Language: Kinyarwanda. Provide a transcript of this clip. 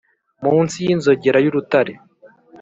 munsi y'inzogera y'urutare,